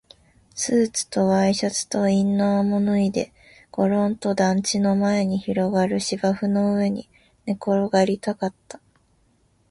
スーツとワイシャツとインナーも脱いで、ごろんと団地の前に広がる芝生の上に寝転がりたかった